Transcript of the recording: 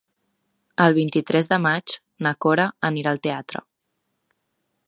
El vint-i-tres de maig na Cora anirà al teatre.